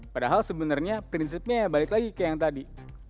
padahal sebenarnya prinsipnya ya balik lagi ke yang tadi